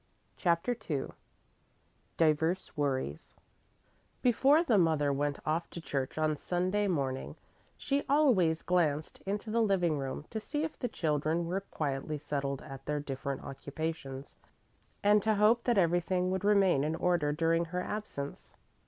CHAPTER II DIVERS WORRIES Before the mother went off to church on Sunday morning she always glanced into the living room to see if the children were quietly settled at their different occupations and to hope that everything would remain in order during her absence.